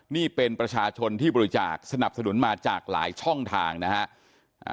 นี่เป็นประชาชนที่บริจาคสนับสนุนมาจากหลายช่องทางนะครับ